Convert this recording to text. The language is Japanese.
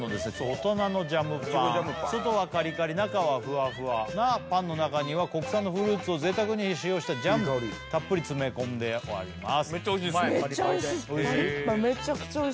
大人のジャムパン外はカリカリ中はフワフワなパンの中には国産のフルーツを贅沢に使用したジャムたっぷり詰め込んであります